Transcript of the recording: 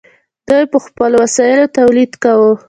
دوی په خپلو وسایلو تولید کاوه.